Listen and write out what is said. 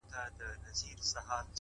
• شاته هیڅ څوک نه سي تللای دا قانون دی ,